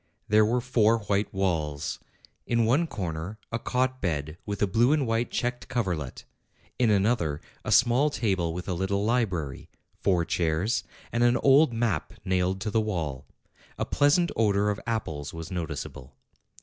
There were four white walls : in one corner a cot bed with a blue and white checked coverlet; in another, a small table with a little library ; four chairs, and an old map nailed to the wall. A pleasant odor of apples was noticeable.